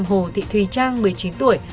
hồ thị thùy trang một mươi chín tuổi